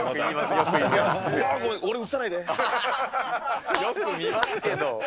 よく見ますけど。